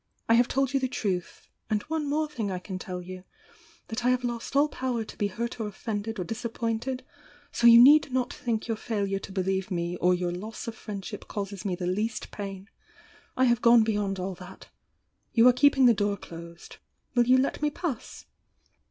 I have told you the truth — and one more thing I can tell you — that I have lost all power to be hurt or offended or disappointed, so you need not thinli your failure to believe me or your loss of friendship causes me tiie least pain! I have gone beyond aJl that. You are keeping the door closed, — ^will you let me pass?"